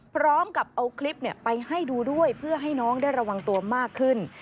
พร้อมกับเอาคลิปไปให้ดูด้วยเพื่อให้น้องได้ระวังตัวมากขึ้น